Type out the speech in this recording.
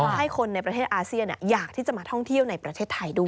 ให้คนในประเทศอาเซียนอยากที่จะมาท่องเที่ยวในประเทศไทยด้วย